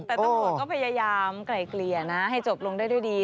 แต่ตำรวจก็พยายามไกล่เกลี่ยนะให้จบลงได้ด้วยดี